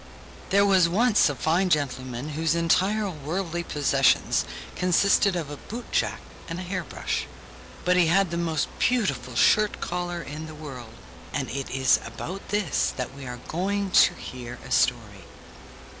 There was once a fine gentleman whose entire worldly possessions consisted of a boot jack and a hair brush; but he had the most beautiful shirt collar in the world, and it is about this that we are going to hear a story.